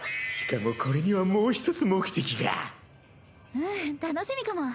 うん楽しみかも。